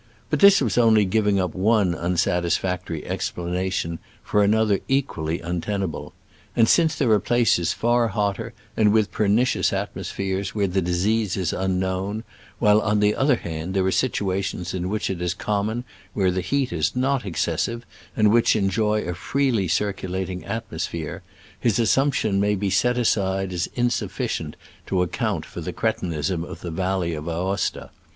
But this was only giving up one unsatisfac tory explanation for another equally un tenable ; and since there are places far hotter and with pernicious atmospheres where the disease is unknown, while, on the other hand, there are situations in which it is common where the heat is not excessive, and which enjoy a freely circulating atmosphere, his assumption may be set aside as insufficient to ac count for the cretinism of the valley of Aosta.